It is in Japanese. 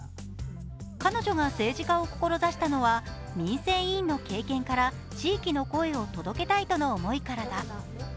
彼女が政治家を志したのは民生委員の経験から地域の声を届けたいとの思いからだ。